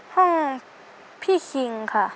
ห้องพี่คิงค่ะ